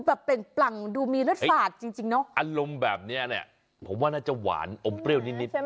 อารมณ์แบบนี้นะฮะผมว่าน่าจะหวานอมเปรี้ยวนิด